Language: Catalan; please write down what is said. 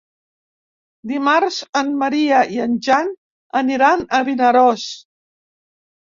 Dimarts en Maria i en Jan aniran a Vinaròs.